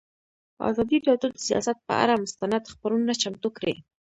ازادي راډیو د سیاست پر اړه مستند خپرونه چمتو کړې.